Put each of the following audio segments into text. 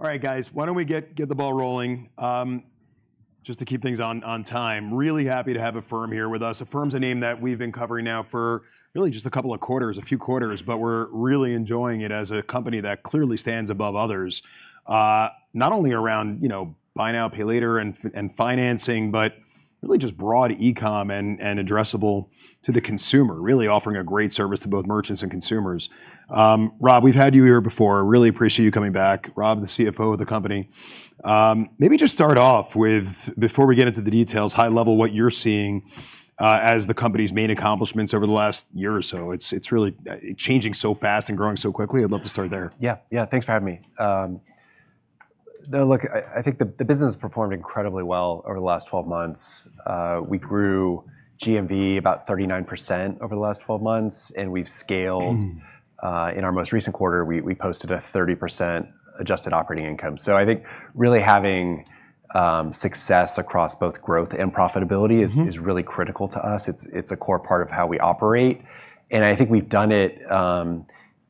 All right, guys. Why don't we get the ball rolling, just to keep things on time. Really happy to have Affirm here with us. Affirm's a name that we've been covering now for really just a couple of quarters, a few quarters. We're really enjoying it as a company that clearly stands above others, not only around, you know, Buy Now, Pay Later and financing, but really just broad e-com and addressable to the consumer, really offering a great service to both merchants and consumers. Rob, we've had you here before. Really appreciate you coming back. Rob, the CFO of the company. Maybe just start off with, before we get into the details, high level, what you're seeing as the company's main accomplishments over the last year or so. It's really changing so fast and growing so quickly. I'd love to start there. Yeah. Yeah, thanks for having me. No, look, I think the business performed incredibly well over the last 12 months. We grew GMV about 39% over the last 12 months, and we've scaled- Mm. In our most recent quarter, we posted 30% adjusted operating income. I think really having success across both growth and profitability. Mm-hmm It is really critical to us. It's a core part of how we operate, and I think we've done it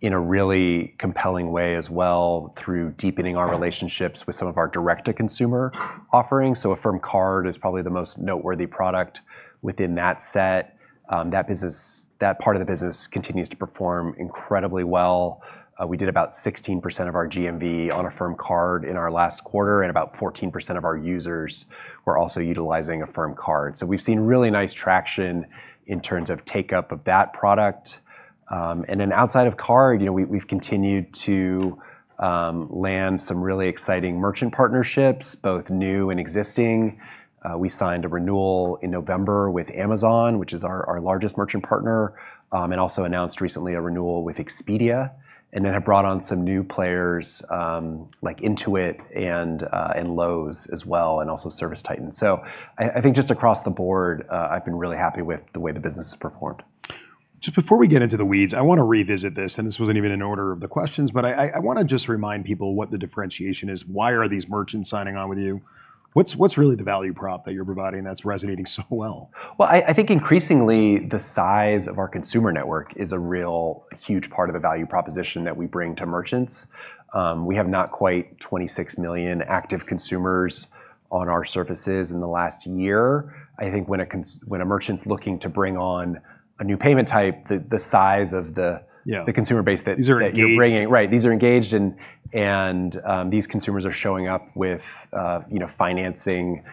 in a really compelling way as well through deepening our relationships with some of our direct-to-consumer offerings. Affirm Card is probably the most noteworthy product within that set. That business, that part of the business continues to perform incredibly well. We did about 16% of our GMV on Affirm Card in our last quarter, and about 14% of our users were also utilizing Affirm Card. We've seen really nice traction in terms of take-up of that product. And then outside of Card, you know, we've continued to land some really exciting merchant partnerships, both new and existing. We signed a renewal in November with Amazon, which is our largest merchant partner, and also announced recently a renewal with Expedia. Then have brought on some new players, like Intuit and Lowe's as well, and also ServiceTitan. I think just across the board, I've been really happy with the way the business has performed. Just before we get into the weeds, I wanna revisit this, and this wasn't even in order of the questions, but I wanna just remind people what the differentiation is. Why are these merchants signing on with you? What's really the value prop that you're providing that's resonating so well? Well, I think increasingly the size of our consumer network is a real huge part of the value proposition that we bring to merchants. We have not quite 26 million active consumers on our services in the last year. I think when a merchant's looking to bring on a new payment type, the size of the- Yeah the consumer base that. These are engaged. You're bringing. Right. These are engaged and these consumers are showing up with, you know, financing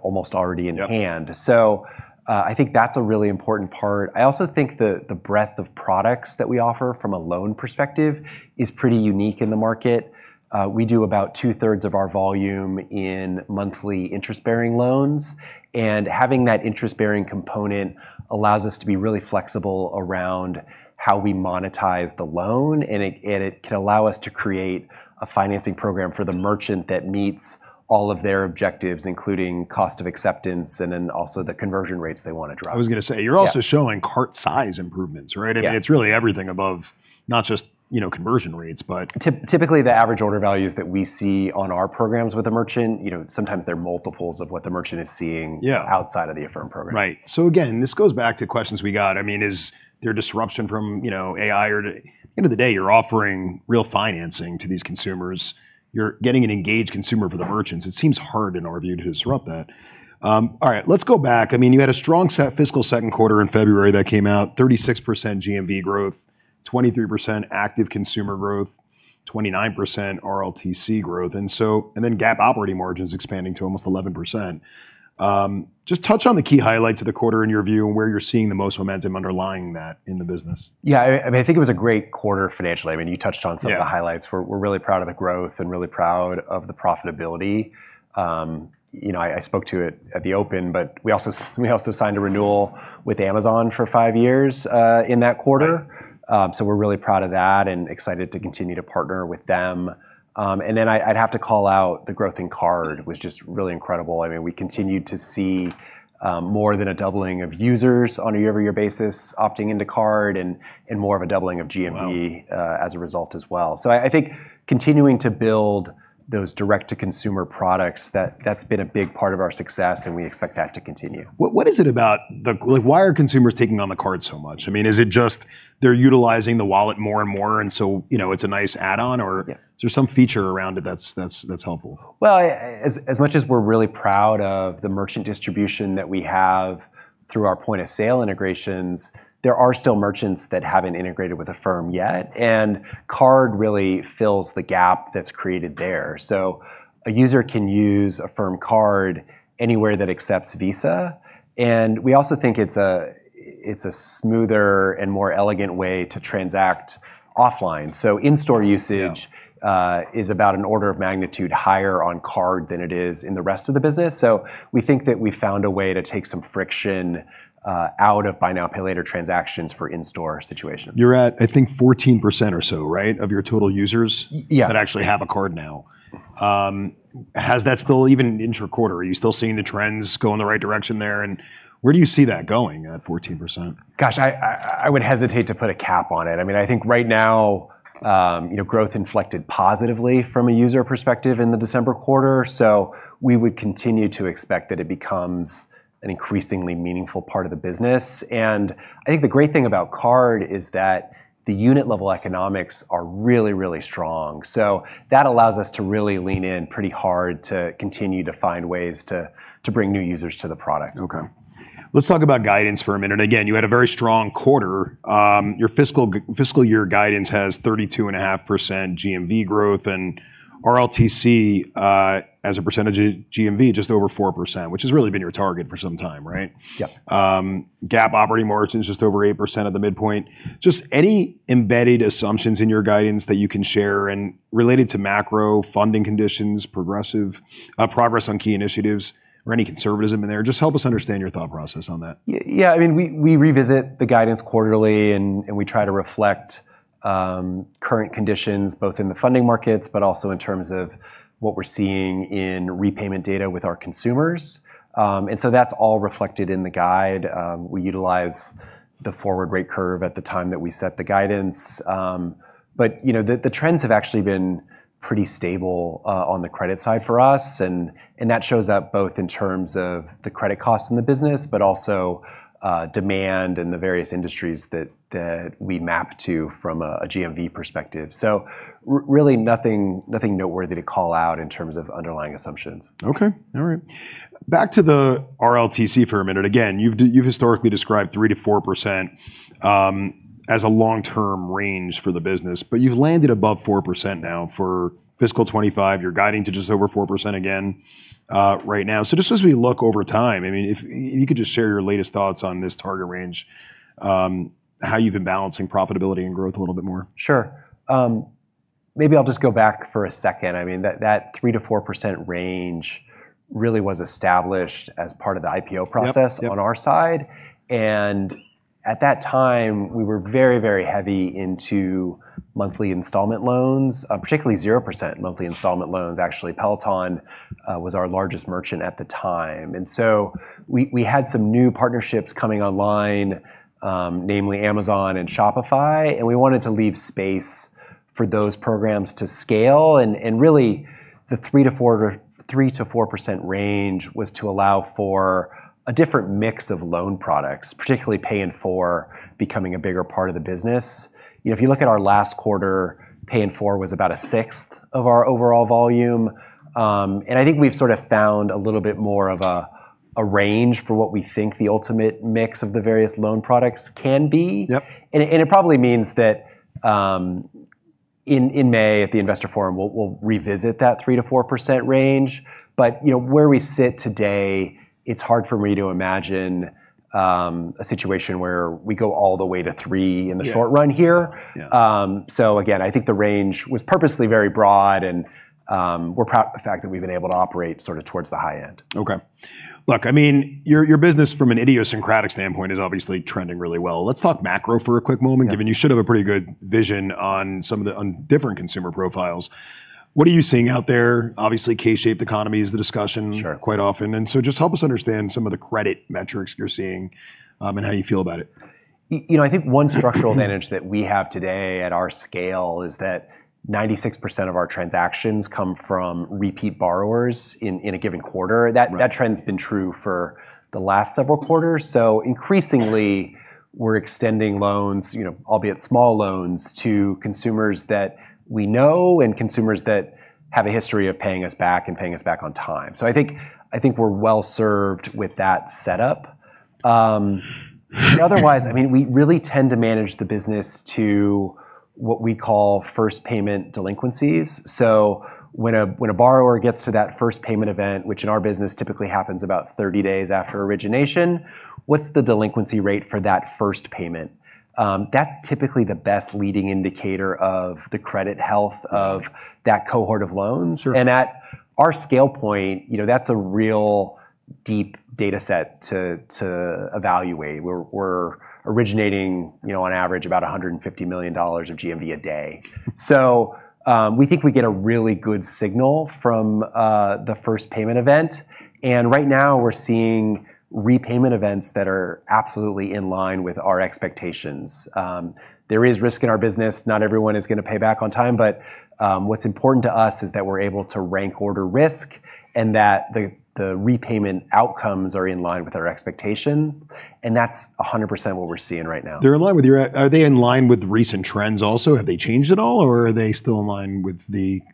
almost already in hand. Yeah. I think that's a really important part. I also think the breadth of products that we offer from a loan perspective is pretty unique in the market. We do about 2/3s of our volume in monthly interest-bearing loans, and having that interest-bearing component allows us to be really flexible around how we monetize the loan. It can allow us to create a financing program for the merchant that meets all of their objectives, including cost of acceptance and then also the conversion rates they wanna drive. I was gonna say. Yeah You're also showing cart size improvements, right? Yeah. I mean, it's really everything above, not just, you know, conversion rates, but. Typically, the average order values that we see on our programs with a merchant, you know, sometimes they're multiples of what the merchant is seeing. Yeah Outside of the Affirm program. Right. Again, this goes back to questions we got. I mean, is there disruption from, you know, AI. End of the day, you're offering real financing to these consumers. You're getting an engaged consumer for the merchants. It seems hard in our view to disrupt that. All right, let's go back. I mean, you had a strong fiscal second quarter in February that came out, 36% GMV growth, 23% active consumer growth, 29% RLTC growth. And then GAAP operating margins expanding to almost 11%. Just touch on the key highlights of the quarter in your view and where you're seeing the most momentum underlying that in the business. Yeah. I mean, I think it was a great quarter financially. I mean, you touched on some- Yeah Of the highlights. We're really proud of the growth and really proud of the profitability. You know, I spoke to it at the open, but we also signed a renewal with Amazon for five years in that quarter. Right. We're really proud of that and excited to continue to partner with them. I'd have to call out the growth in Card, was just really incredible. I mean, we continued to see more than a doubling of users on a year-over-year basis opting into Card and more of a doubling of GMV. Wow As a result as well. I think continuing to build those direct-to-consumer products, that's been a big part of our success, and we expect that to continue. Like, why are consumers taking on the card so much? I mean, is it just they're utilizing the wallet more and more, and so, you know, it's a nice add-on, or- Yeah Is there some feature around it that's helpful? Well, as much as we're really proud of the merchant distribution that we have through our point-of-sale integrations, there are still merchants that haven't integrated with Affirm yet, and Card really fills the gap that's created there. A user can use Affirm Card anywhere that accepts Visa. We also think it's a smoother and more elegant way to transact offline. In-store usage. Yeah is about an order of magnitude higher on Card than it is in the rest of the business. We think that we found a way to take some friction out of Buy Now, Pay Later transactions for in-store situations. You're at, I think, 14% or so, right, of your total users. Yeah. that actually have a card now. Has that still even into the quarter, are you still seeing the trends go in the right direction there? Where do you see that going at 14%? Gosh, I would hesitate to put a cap on it. I mean, I think right now, you know, growth inflected positively from a user perspective in the December quarter. We would continue to expect that it becomes an increasingly meaningful part of the business. I think the great thing about Card is that the unit level economics are really, really strong. That allows us to really lean in pretty hard to continue to find ways to bring new users to the product. Okay. Let's talk about guidance for a minute. Again, you had a very strong quarter. Your fiscal year guidance has 32.5% GMV growth, and RLTC, as a percentage of GMV just over 4%, which has really been your target for some time, right? Yep. GAAP operating margins just over 8% of the midpoint. Just any embedded assumptions in your guidance that you can share, and related to macro funding conditions, progress on key initiatives or any conservatism in there? Just help us understand your thought process on that. Yeah, I mean, we revisit the guidance quarterly, and we try to reflect current conditions both in the funding markets, but also in terms of what we're seeing in repayment data with our consumers. That's all reflected in the guide. We utilize the forward rate curve at the time that we set the guidance. You know, the trends have actually been pretty stable on the credit side for us, and that shows up both in terms of the credit costs in the business, but also demand in the various industries that we map to from a GMV perspective. Really nothing noteworthy to call out in terms of underlying assumptions. Okay. All right. Back to the RLTC for a minute. Again, you've historically described 3%-4% as a long-term range for the business, but you've landed above 4% now. For fiscal 2025, you're guiding to just over 4% again, right now. Just as we look over time, I mean, if you could just share your latest thoughts on this target range, how you've been balancing profitability and growth a little bit more. Sure. Maybe I'll just go back for a second. I mean, that 3%-4% range really was established as part of the IPO process. Yep. Yep. on our side. At that time, we were very heavy into monthly installment loans, particularly 0% monthly installment loans. Actually, Peloton was our largest merchant at the time. We had some new partnerships coming online, namely Amazon and Shopify, and we wanted to leave space for those programs to scale. Really the 3%-4% range was to allow for a different mix of loan products, particularly Pay in 4 becoming a bigger part of the business. You know, if you look at our last quarter, Pay in 4 was about 1/6 of our overall volume. I think we've sort of found a little bit more of a range for what we think the ultimate mix of the various loan products can be. Yep. It probably means that in May at the investor forum, we'll revisit that 3%-4% range. You know, where we sit today, it's hard for me to imagine a situation where we go all the way to three in the short run here. Yeah. Yeah. Again, I think the range was purposely very broad, and we're proud of the fact that we've been able to operate sorta towards the high end. Okay. Look, I mean, your business from an idiosyncratic standpoint is obviously trending really well. Let's talk macro for a quick moment. Yeah ...given you should have a pretty good vision on some of the different consumer profiles. What are you seeing out there? Obviously, K-shaped economy is the discussion. Sure Quite often, just help us understand some of the credit metrics you're seeing, and how you feel about it? You know, I think one structural advantage that we have today at our scale is that 96% of our transactions come from repeat borrowers in a given quarter. Right. That trend's been true for the last several quarters. Increasingly, we're extending loans, you know, albeit small loans, to consumers that we know and consumers that have a history of paying us back and paying us back on time. I think we're well-served with that setup. Otherwise, I mean, we really tend to manage the business to what we call first payment delinquencies. When a borrower gets to that first payment event, which in our business typically happens about 30 days after origination, what's the delinquency rate for that first payment? That's typically the best leading indicator of the credit health of that cohort of loans. Sure. At our scale point, you know, that's a real deep data set to evaluate. We're originating, you know, on average about $150 million of GMV a day. We think we get a really good signal from the first payment event. Right now we're seeing repayment events that are absolutely in line with our expectations. There is risk in our business. Not everyone is gonna pay back on time, but what's important to us is that we're able to rank order risk and that the repayment outcomes are in line with our expectation, and that's 100% what we're seeing right now. Are they in line with recent trends also? Have they changed at all, or are they still in line?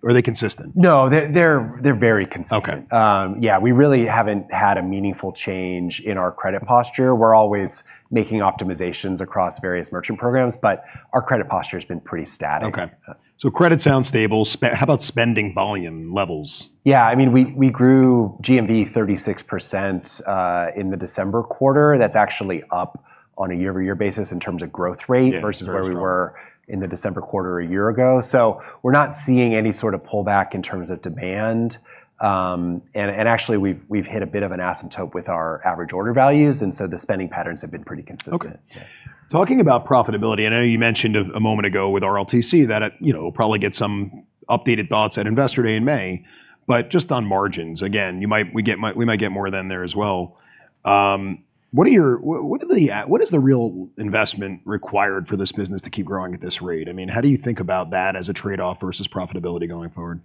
Are they consistent? No, they're very consistent. Okay. Yeah, we really haven't had a meaningful change in our credit posture. We're always making optimizations across various merchant programs, but our credit posture's been pretty static. Okay. Credit sounds stable. How about spending volume levels? I mean, we grew GMV 36% in the December quarter. That's actually up on a year-over-year basis in terms of growth rate. Yeah. Very strong. Versus where we were in the December quarter a year ago. We're not seeing any sort of pullback in terms of demand. Actually we've hit a bit of an asymptote with our average order values, and so the spending patterns have been pretty consistent. Okay. Talking about profitability, I know you mentioned a moment ago with RLTC that it, you know, will probably get some updated thoughts at Investor Day in May. Just on margins, again, we might get more than that as well. What is the real investment required for this business to keep growing at this rate? I mean, how do you think about that as a trade-off versus profitability going forward?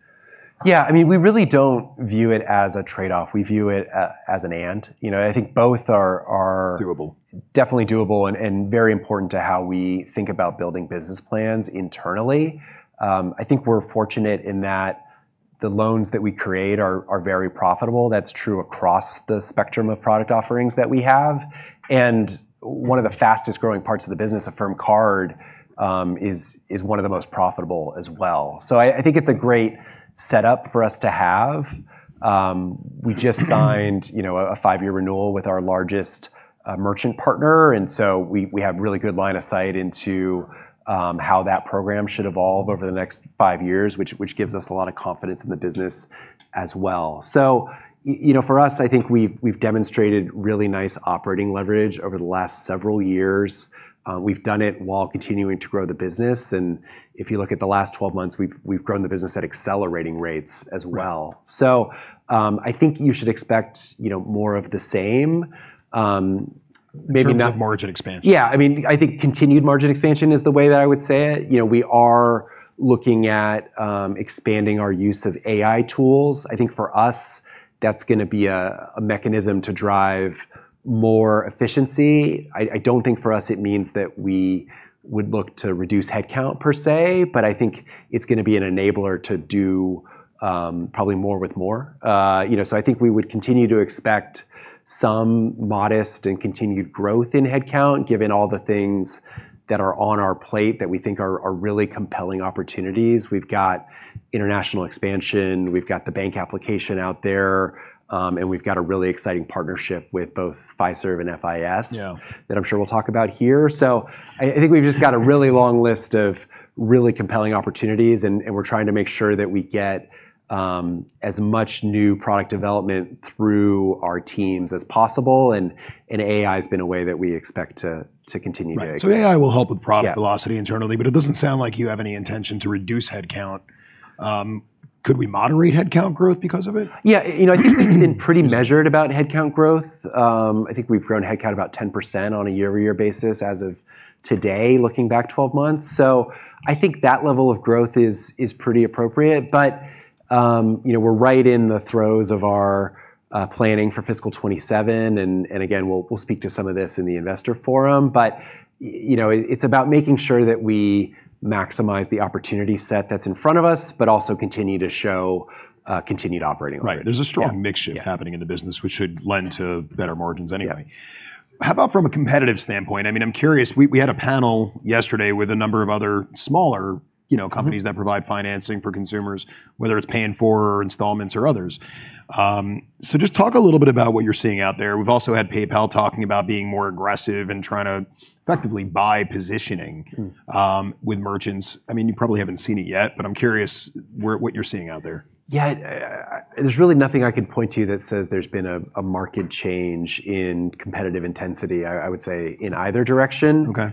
Yeah, I mean, we really don't view it as a trade-off. We view it as an and. You know, I think both are. Doable Definitely doable and very important to how we think about building business plans internally. I think we're fortunate in that the loans that we create are very profitable. That's true across the spectrum of product offerings that we have. One of the fastest-growing parts of the business, Affirm Card, is one of the most profitable as well. I think it's a great setup for us to have. We just signed, you know, a five-year renewal with our largest merchant partner, and so we have really good line of sight into how that program should evolve over the next five years, which gives us a lot of confidence in the business as well. You know, for us, I think we've demonstrated really nice operating leverage over the last several years. We've done it while continuing to grow the business, and if you look at the last 12 months, we've grown the business at accelerating rates as well. Right. I think you should expect, you know, more of the same. In terms of margin expansion. Yeah. I mean, I think continued margin expansion is the way that I would say it. You know, we are looking at expanding our use of AI tools. I think for us, that's gonna be a mechanism to drive more efficiency. I don't think for us it means that we would look to reduce headcount per se, but I think it's gonna be an enabler to do probably more with more. You know, so I think we would continue to expect some modest and continued growth in headcount, given all the things that are on our plate that we think are really compelling opportunities. We've got international expansion, we've got the bank application out there, and we've got a really exciting partnership with both Fiserv and FIS. Yeah... that I'm sure we'll talk about here. I think we've just got a really long list of really compelling opportunities and we're trying to make sure that we get as much new-product development through our teams as possible and AI has been a way that we expect to continue to accelerate. Right. AI will help with product velocity internally. Yeah. It doesn't sound like you have any intention to reduce headcount. Could we moderate headcount growth because of it? Yeah. You know, been pretty measured about headcount growth. I think we've grown headcount about 10% on a year-over-year basis as of today, looking back 12 months. I think that level of growth is pretty appropriate. You know, we're right in the throes of our planning for fiscal 2027, and again, we'll speak to some of this in the investor forum. You know, it's about making sure that we maximize the opportunity set that's in front of us, but also continue to show continued operating leverage. Right. There's a strong mix shift. Yeah. Yeah. happening in the business, which should lend to better margins anyway. Yeah. How about from a competitive standpoint? I mean, I'm curious. We had a panel yesterday with a number of other smaller, you know, companies that provide financing for consumers, whether it's Pay in 4 installments or others. Just talk a little bit about what you're seeing out there. We've also had PayPal talking about being more aggressive and trying to effectively buy positioning. Mm with merchants. I mean, you probably haven't seen it yet, but I'm curious what you're seeing out there. Yeah, there's really nothing I can point to that says there's been a marked change in competitive intensity, I would say, in either direction. Okay.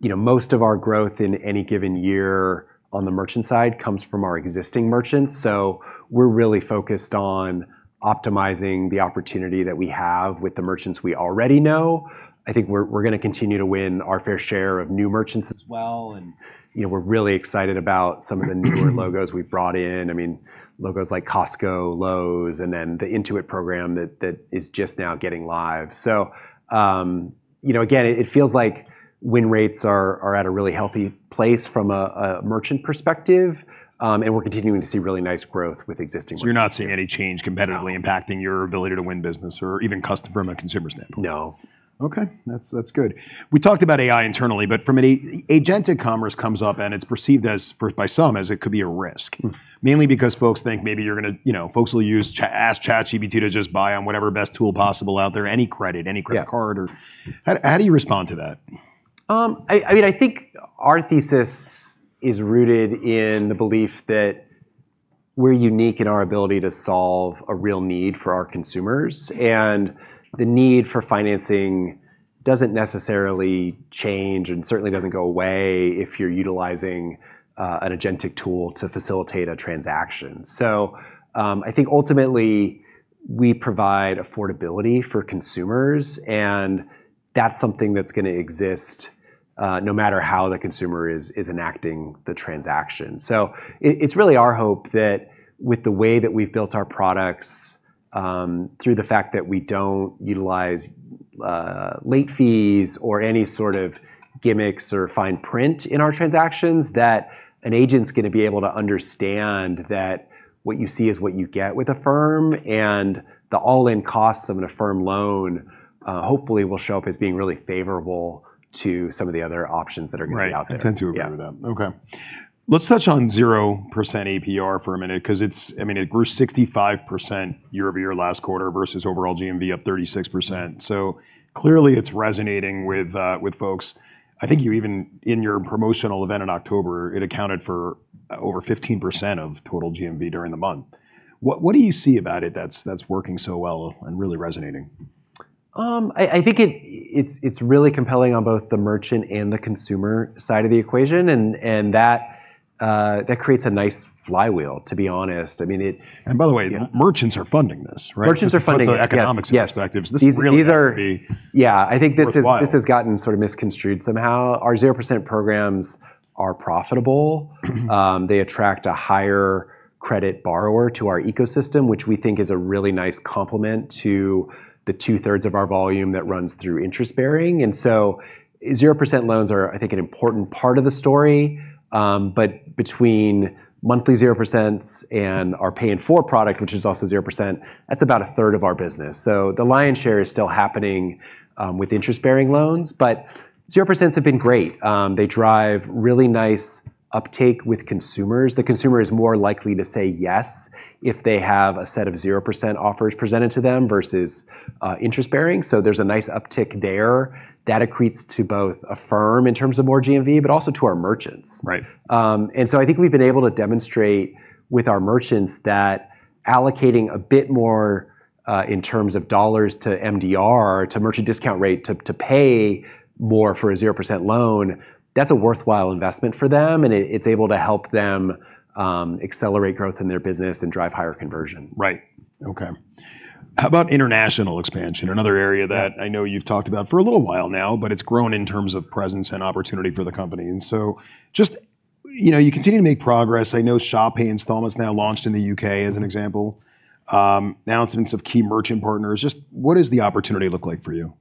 You know, most of our growth in any given year on the merchant side comes from our existing merchants. We're really focused on optimizing the opportunity that we have with the merchants we already know. I think we're gonna continue to win our fair share of new merchants as well. You know, we're really excited about some of the newer logos we've brought in. I mean, logos like Costco, Lowe's, and then the Intuit program that is just now going live. You know, again, it feels like win rates are at a really healthy place from a merchant perspective. We're continuing to see really nice growth with existing merchants. You're not seeing any change competitively impacting your ability to win business or even customer from a consumer standpoint? No. Okay. That's good. We talked about AI internally, but from an agent, e-commerce comes up and it's perceived as, by some, as it could be a risk. Mm. Mainly because folks think maybe you're gonna, you know, folks will ask ChatGPT to just buy on whatever best tool possible out there, any credit, any credit card or Yeah How do you respond to that? I mean, I think our thesis is rooted in the belief that we're unique in our ability to solve a real need for our consumers, and the need for financing doesn't necessarily change and certainly doesn't go away if you're utilizing an agentic tool to facilitate a transaction. I think ultimately we provide affordability for consumers, and that's something that's gonna exist no matter how the consumer is enacting the transaction. It's really our hope that with the way that we've built our products, through the fact that we don't utilize late fees or any sort of gimmicks or fine print in our transactions, that an agent's gonna be able to understand that what you see is what you get with Affirm, and the all-in costs of an Affirm loan hopefully will show up as being really favorable to some of the other options that are gonna be out there. Right. I tend to agree with that. Yeah. Okay. Let's touch on 0% APR for a minute, 'cause it's, I mean, it grew 65% year-over-year last quarter versus overall GMV up 36%. Clearly it's resonating with folks. I think even in your promotional event in October, it accounted for over 15% of total GMV during the month. What do you see about it that's working so well and really resonating? I think it's really compelling on both the merchant and the consumer side of the equation, and that creates a nice flywheel, to be honest. I mean, it- By the way. Yeah Merchants are funding this, right? Merchants are funding this, yes. To put the economics in perspective. Yes This really has to be. Yeah. I think this is. worthwhile. This has gotten sort of misconstrued somehow. Our 0% programs are profitable. They attract a higher credit borrower to our ecosystem, which we think is a really nice complement to the 2/3s of our volume that runs through interest-bearing. 0% loans are, I think, an important part of the story. Between monthly 0%s and our Pay in 4 product, which is also 0%, that's about 1/3 of our business. The lion's share is still happening with interest-bearing loans. 0%s have been great. They drive really nice uptake with consumers. The consumer is more likely to say yes if they have a set of 0% offers presented to them versus interest-bearing. There's a nice uptick there that accretes to both Affirm in terms of more GMV, but also to our merchants. Right. I think we've been able to demonstrate with our merchants that allocating a bit more in terms of dollars to MDR, to merchant discount rate, to pay more for a 0% loan, that's a worthwhile investment for them, and it's able to help them accelerate growth in their business and drive higher conversion. Right. Okay. How about international expansion? Another area that I know you've talked about for a little while now, but it's grown in terms of presence and opportunity for the company. Just, you know, you continue to make progress. I know Shop Pay Installments now launched in the U.K., as an example. Announcements of key merchant partners. Just what does the opportunity look like for you?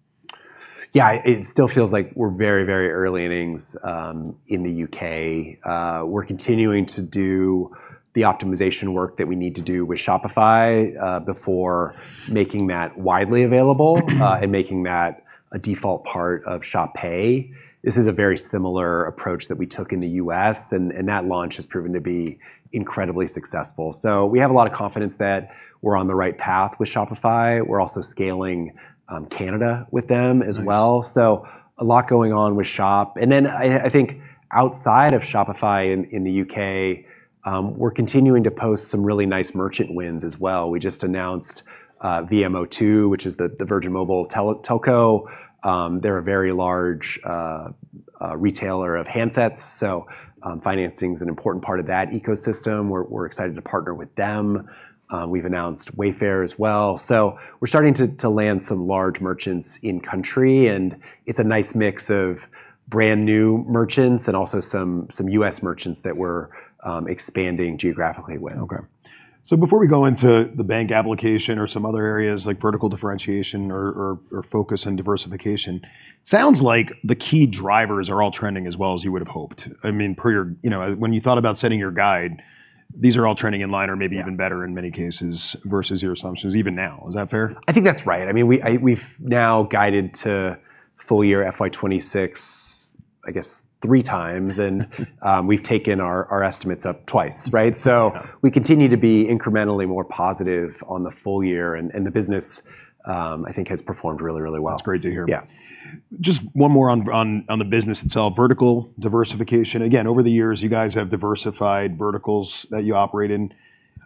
Yeah. It still feels like we're very, very early innings in the U.K. We're continuing to do the optimization work that we need to do with Shopify before making that widely available, and making that a default part of Shop Pay. This is a very similar approach that we took in the U.S., and that launch has proven to be incredibly successful. We have a lot of confidence that we're on the right path with Shopify. We're also scaling Canada with them as well. Nice. A lot going on with Shop. Then I think outside of Shopify in the U.K., we're continuing to post some really nice merchant wins as well. We just announced Virgin Media O2, which is the Virgin Mobile telco. They're a very large retailer of handsets, so financing's an important part of that ecosystem. We're excited to partner with them. We've announced Wayfair as well. We're starting to land some large merchants in country, and it's a nice mix of brand-new merchants and also some U.S. Merchants that we're expanding geographically with. Okay. Before we go into the bank application or some other areas like vertical differentiation or focus on diversification, sounds like the key drivers are all trending as well as you would've hoped. I mean, per your, you know, when you thought about setting your guide, these are all trending in line- Yeah Maybe even better in many cases versus your assumptions even now. Is that fair? I think that's right. I mean, we've now guided to full year FY 2026, I guess, three times. We've taken our estimates up twice, right? Yeah. We continue to be incrementally more positive on the full year, and the business, I think, has performed really well. That's great to hear. Yeah. Just one more on the business itself. Vertical diversification. Again, over the years, you guys have diversified verticals that you operate in.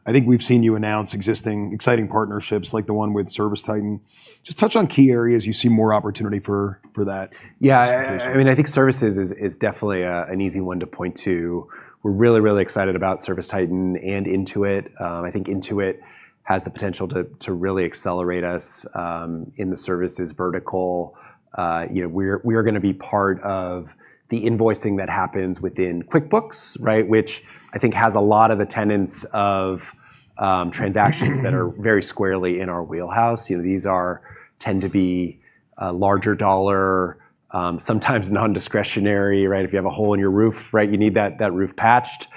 I think we've seen you announce existing exciting partnerships like the one with ServiceTitan. Just touch on key areas you see more opportunity for that. Yeah diversification. I mean, I think services is definitely an easy one to point to. We're really excited about ServiceTitan and Intuit. I think Intuit has the potential to really accelerate us in the services vertical. You know, we are gonna be part of the invoicing that happens within QuickBooks, right, which I think has a lot of the tenets of transactions that are very squarely in our wheelhouse. You know, these tend to be larger dollar, sometimes non-discretionary, right? If you have a hole in your roof, right, you need that roof patched.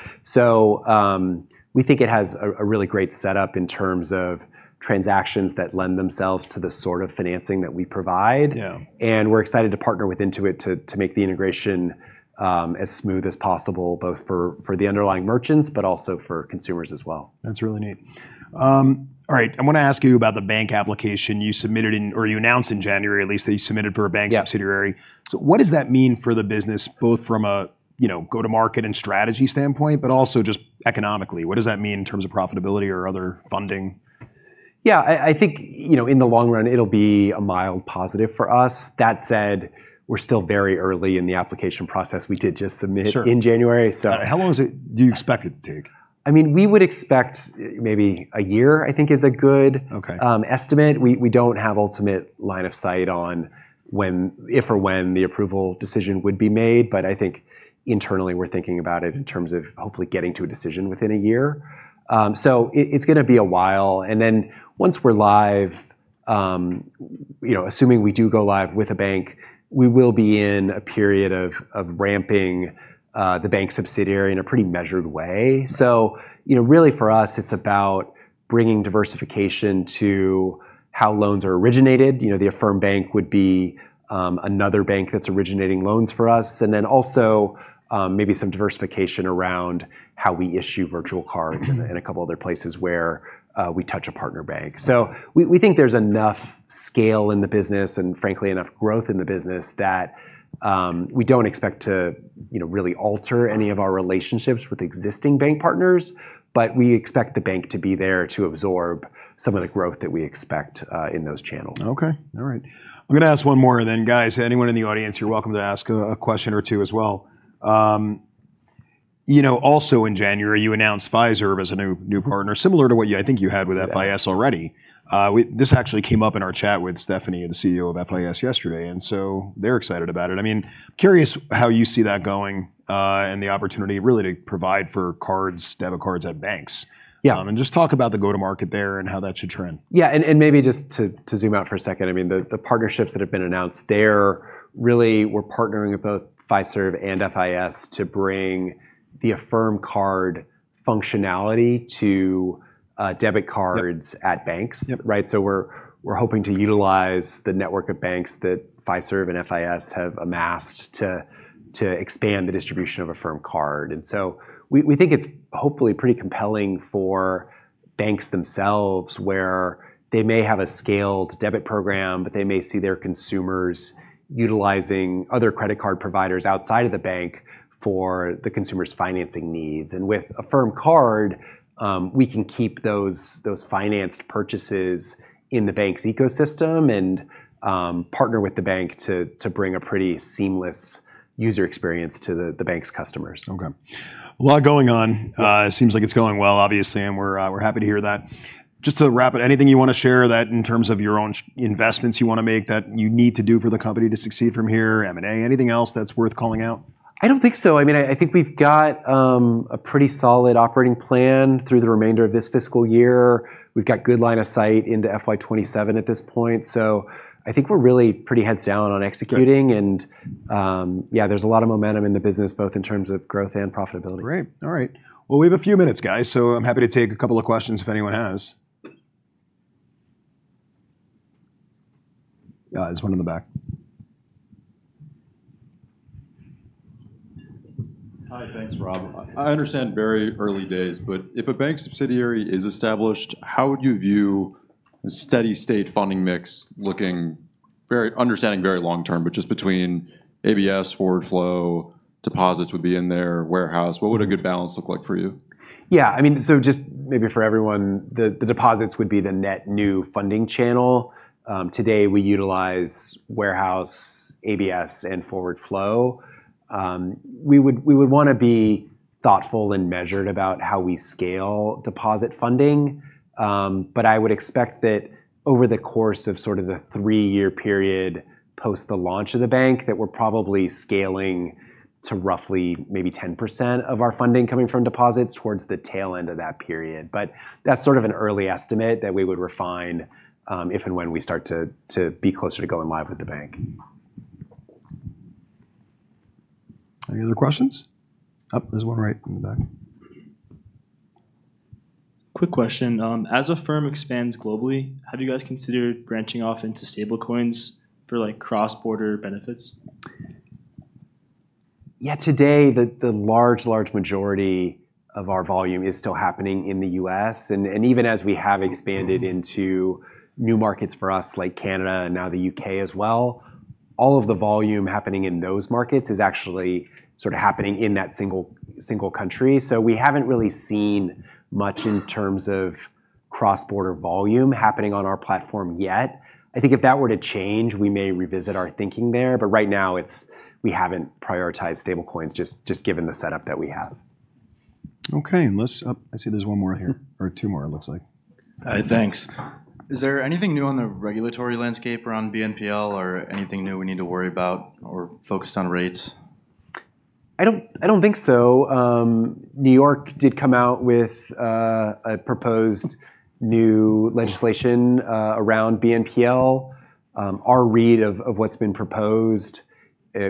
We think it has a really great setup in terms of transactions that lend themselves to the sort of financing that we provide. Yeah. We're excited to partner with Intuit to make the integration as smooth as possible, both for the underlying merchants, but also for consumers as well. That's really neat. All right. I wanna ask you about the bank application you announced in January at least, that you submitted for a bank- Yeah... subsidiary. What does that mean for the business, both from a, you know, go-to-market and strategy standpoint, but also just economically? What does that mean in terms of profitability or other funding? Yeah. I think, you know, in the long run, it'll be a mild positive for us. That said, we're still very early in the application process. We did just submit. Sure in January. How long do you expect it to take? I mean, we would expect maybe a year, I think, is a good- Okay estimate. We don't have ultimate line of sight on when, if or when the approval decision would be made, but I think internally we're thinking about it in terms of hopefully getting to a decision within a year. So it's gonna be a while, and then once we're live, you know, assuming we do go live with a bank, we will be in a period of ramping the bank subsidiary in a pretty measured way. So, you know, really for us, it's about bringing diversification to how loans are originated. You know, the Affirm bank would be another bank that's originating loans for us, and then also maybe some diversification around how we issue virtual cards and a couple other places where we touch a partner bank. We think there's enough scale in the business and frankly enough growth in the business that we don't expect to, you know, really alter any of our relationships with existing bank partners. We expect the bank to be there to absorb some of the growth that we expect in those channels. Okay. All right. I'm gonna ask one more, and then guys, anyone in the audience, you're welcome to ask a question or two as well. You know, also in January, you announced Fiserv as a new partner, similar to what you, I think you had with FIS already. Yeah. This actually came up in our chat with Stephanie, the CEO of FIS, yesterday, and so they're excited about it. I mean, curious how you see that going, and the opportunity really to provide for cards, debit cards at banks. Yeah. Just talk about the go-to-market there and how that should trend. Maybe just to zoom out for a second, I mean, the partnerships that have been announced there really we're partnering with both Fiserv and FIS to bring the Affirm Card functionality to debit cards at banks. Yep. We're hoping to utilize the network of banks that Fiserv and FIS have amassed to expand the distribution of Affirm Card. We think it's hopefully pretty compelling for banks themselves where they may have a scaled debit program, but they may see their consumers utilizing other credit card providers outside of the bank for the consumer's financing needs. With Affirm Card, we can keep those financed purchases in the bank's ecosystem and partner with the bank to bring a pretty seamless user experience to the bank's customers. Okay. A lot going on. Seems like it's going well obviously, and we're happy to hear that. Just to wrap it, anything you wanna share that in terms of your own investments you wanna make that you need to do for the company to succeed from here? M&A, anything else that's worth calling out? I don't think so. I mean, I think we've got a pretty solid operating plan through the remainder of this fiscal year. We've got good line of sight into FY 2027 at this point. I think we're really pretty heads-down on executing. Good. Yeah, there's a lot of momentum in the business both in terms of growth and profitability. Great. All right. Well, we have a few minutes, guys, so I'm happy to take a couple of questions if anyone has. Yeah, there's one in the back. Hi. Thanks, Rob. I understand very early days, but if a bank subsidiary is established, how would you view a steady state funding mix, understanding very long term, but just between ABS, forward flow, deposits would be in there, warehouse. What would a good balance look like for you? I mean, just maybe for everyone, the deposits would be the net new funding channel. Today we utilize warehouse, ABS and forward flow. We would wanna be thoughtful and measured about how we scale deposit funding. I would expect that over the course of sort of the three-year period post the launch of the bank, that we're probably scaling to roughly maybe 10% of our funding coming from deposits towards the tail end of that period. That's sort of an early estimate that we would refine, if and when we start to be closer to going live with the bank. Any other questions? Oh, there's one right in the back. Quick question. As Affirm expands globally, have you guys considered branching off into stablecoins for like cross-border benefits? Yeah. Today, the large majority of our volume is still happening in the U.S. Even as we have expanded into new markets for us, like Canada and now the U.K. as well, all of the volume happening in those markets is actually sort of happening in that single country. We haven't really seen much in terms of cross-border volume happening on our platform yet. I think if that were to change, we may revisit our thinking there, but right now it's we haven't prioritized stablecoins just given the setup that we have. Oh, I see there's one more here, or two more it looks like. Thanks. Is there anything new on the regulatory landscape around BNPL or anything new we need to worry about or focused on rates? I don't think so. New York did come out with a proposed new legislation around BNPL. Our read of what's been proposed,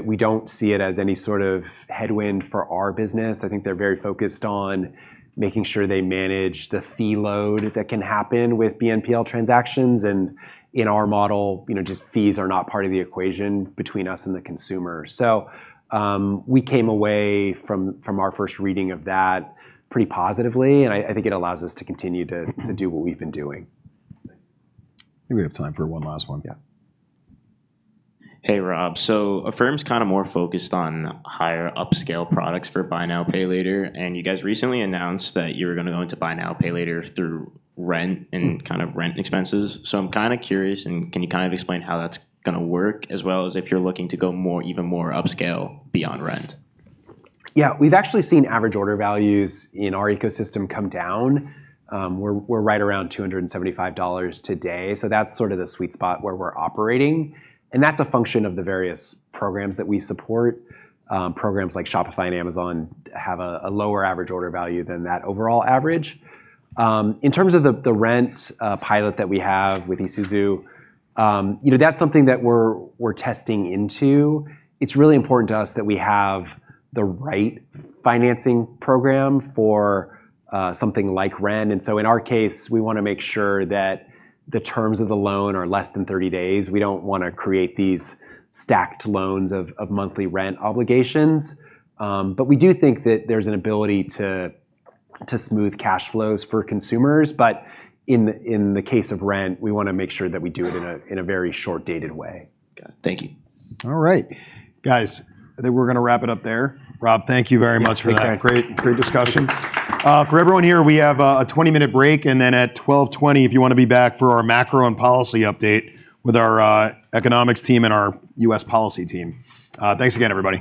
we don't see it as any sort of headwind for our business. I think they're very focused on making sure they manage the fee load that can happen with BNPL transactions. In our model, you know, just fees are not part of the equation between us and the consumer. We came away from our first reading of that pretty positively, and I think it allows us to continue to do what we've been doing. I think we have time for one last one. Yeah. Hey, Rob. Affirm's kinda more focused on higher upscale products for Buy Now, Pay Later, and you guys recently announced that you were gonna go into Buy Now, Pay Later through rent and kind of rent expenses. I'm kinda curious, and can you kind of explain how that's gonna work as well as if you're looking to go more, even more upscale beyond rent? Yeah. We've actually seen average order values in our ecosystem come down. We're right around $275 today, so that's sort of the sweet spot where we're operating, and that's a function of the various programs that we support. Programs like Shopify and Amazon have a lower average order value than that overall average. In terms of the rent pilot that we have with Esusu, you know, that's something that we're testing into. It's really important to us that we have the right financing program for something like rent. In our case, we wanna make sure that the terms of the loan are less than 30 days. We don't wanna create these stacked loans of monthly rent obligations. But we do think that there's an ability to smooth cash flows for consumers. In the case of rent, we wanna make sure that we do it in a very short-dated way. Got it. Thank you. All right. Guys, I think we're gonna wrap it up there. Rob, thank you very much for that. Okay. Great discussion. For everyone here, we have a 20-minute break, and then at 12:20 P.M., if you wanna be back for our macro and policy update with our economics team and our U.S. policy team. Thanks again, everybody.